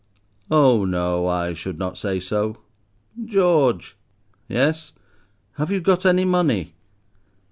"Oh no, I should not say so." "George." "Yes." "Have you got any money?"